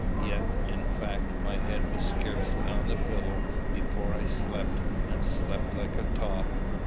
Yet, in fact, my head was scarcely on the pillow before I slept, and slept like a top.